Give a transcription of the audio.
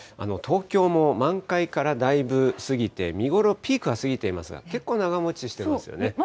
東京も満開からだいぶ過ぎて、見頃、ピークは過ぎていますが、結構長持ちしてますよね。